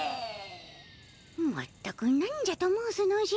まったくなんじゃと申すのじゃ。